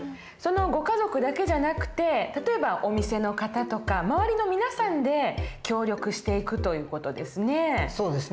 ご家族だけじゃなくて例えばお店の方とか周りの皆さんで協力していくという事ですね。